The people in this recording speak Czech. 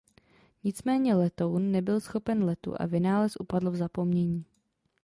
Nicméně letoun nebyl schopen letu a vynález upadl v zapomnění.